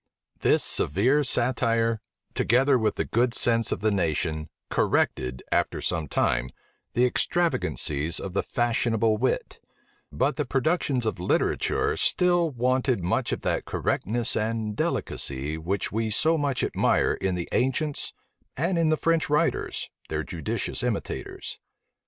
This severe satire, together with the good sense of the nation, corrected, after some time, the extravagancies of the fashionable wit; but the productions of literature still wanted much of that correctness and delicacy which we so much admire in the ancients, and in the French writers, their judicious imitators.